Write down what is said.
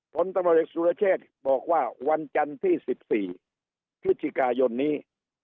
ผลตำรวจเอกสุรเชษบอกว่าวันจันทร์ที่๑๔พฤศจิกายนนี้